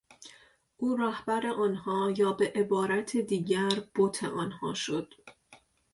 او رهبر آنها یا به عبارت دیگر بت آنها شد.